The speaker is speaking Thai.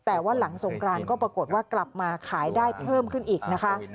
แต่ว่าหลังสงกรานก็ปรากฏว่ากลับมาขายได้เพิ่มขึ้นอีกนะคะ